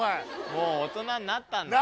もう大人になったんだ。